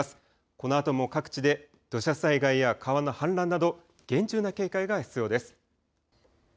このあとも各地で土砂災害や川の氾濫など厳重な警戒が必要です。